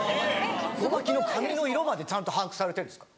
ゴマキの髪の色までちゃんと把握されてるんですか？